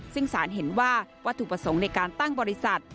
ซึ่งสารเห็นว่าวัตถุประสงค์ในการตั้งบริษัท